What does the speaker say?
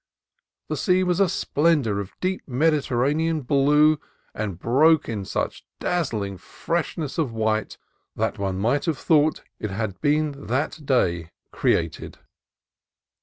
The sea was a splendor of deep Mediterranean blue, and broke in such dazzling freshness of white that one might have thought it had been that day created.